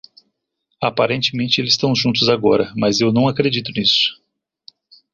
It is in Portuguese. Aparentemente eles estão juntos agora, mas eu não acredito nisso.